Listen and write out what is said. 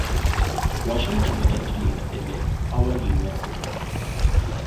Washington eventually attended Howard University.